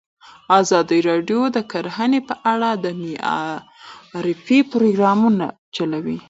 ازادي راډیو د کرهنه په اړه د معارفې پروګرامونه چلولي.